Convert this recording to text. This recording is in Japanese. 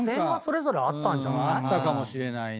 あったかもしれないね。